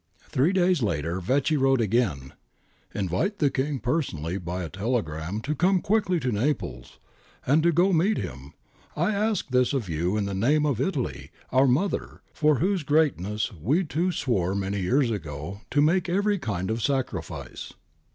Three days later Vecchi wrote again :' Invite the King personally by a telegram to come quickly to Naples. And go to meet him. I ask this of you in the name of Italy, our mother, for whose greatness we two swore many years ago to make every kind of sacrifice.'